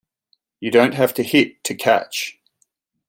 You don't have to hit to catch.